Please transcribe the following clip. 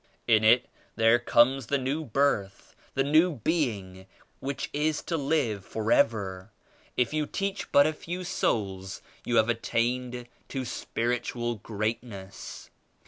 In it there comes the new birth ; the new being which is to live forever. If you teach but a few souls you have attained to spiritual great ness.